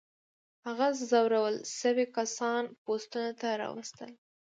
هغه ځورول شوي کسان پوستونو ته راوستل.